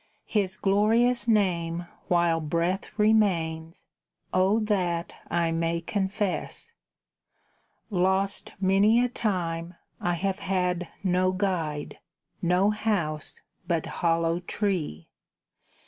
His glorious name while breath remains, O that I may confess. Lost many a time, I have had no guide, No house, but hollow tree!